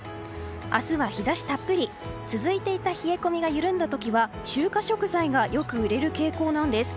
明日は日差したっぷり続いていた冷え込みが緩んだ時は中華食材がよく売れる傾向です。